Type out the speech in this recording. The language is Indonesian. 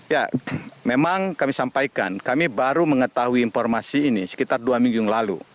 ya memang kami sampaikan kami baru mengetahui informasi ini sekitar dua minggu yang lalu